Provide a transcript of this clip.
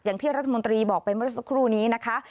อย่างที่รัฐมนตรีบอกไปเมื่อสักครู่นี้นะคะ